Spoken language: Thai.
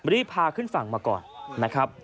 รีบพาขึ้นฝั่งมาก่อนนะครับ